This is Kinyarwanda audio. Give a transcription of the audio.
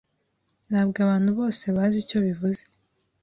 Ntabwo abantu bose bazi icyo bivuze.